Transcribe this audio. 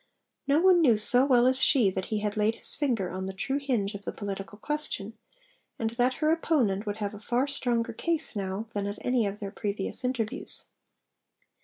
No one knew so well as she that he had laid his finger on the true hinge of the political question, and that her opponent would have a far stronger case now than at any of their previous interviews.